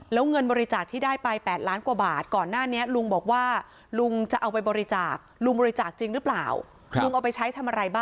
แล้วเงินบริจาคที่ได้ไป๘ล้านกว่าบาท